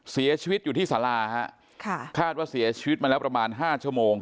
เสียชีวิตอยู่ที่สาราฮะค่ะคาดว่าเสียชีวิตมาแล้วประมาณห้าชั่วโมง